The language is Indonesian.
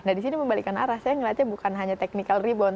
nah di sini membalikan arah saya melihatnya bukan hanya technical rebound